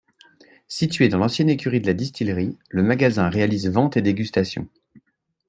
Situé dans l'ancienne écurie de la distillerie, le magasin réalise vente et dégustation.